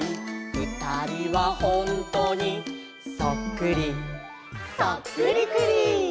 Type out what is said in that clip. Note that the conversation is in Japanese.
「ふたりはほんとにそっくり」「そっくりくり」